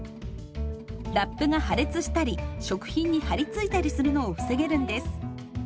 ラップが破裂したり食品に張り付いたりするのを防げるんです。